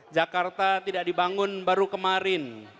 jakarta tidak dibangun baru kemarin